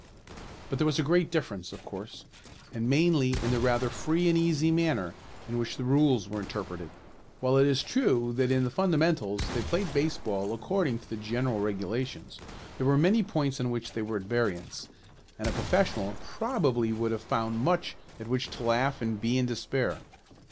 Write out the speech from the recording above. But there was a great difference, of course, and mainly in the rather free and easy manner in which the rules were interpreted. While it is true that in the fundamentals they played baseball according to the general regulations, there were many points on which they were at variance, and a professional probably would have found much at which to laugh and be in despair.